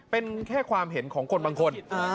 เป็นแค่ความเห็นของคนบางคน